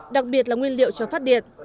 đặc biệt là nguyên liệu cho phát điện